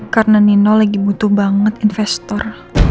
karena nino lagi butuh banget investor